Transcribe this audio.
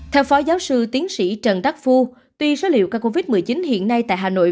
theo phó giáo sư tiến sĩ trần đắc phu tuy số liệu ca covid một mươi chín hiện nay tại hà nội